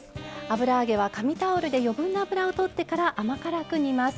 油揚げは紙タオルで余分な油を取ってから甘辛く煮ます。